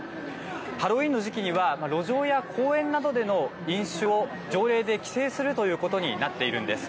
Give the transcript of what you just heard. ハロウィーンの時期には路上や公園などでの飲酒を条例で規制するということになっているんです。